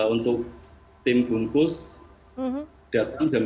untuk tim bungkus datang jam sembilan